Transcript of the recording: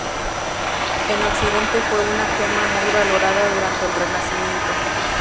En Occidente fue una gema muy valorada durante el Renacimiento.